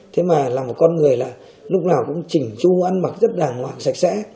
thế mà là một con người là lúc nào cũng chỉnh chu ăn mặc rất là hoạng sạch sẽ